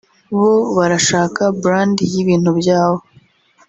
bo barashaka brand y’ibintu byabo